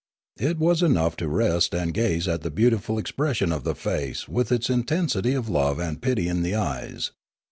It was enough to rest and gaze at the beautiful expression of the face with its intensity of love and pity in the eyes.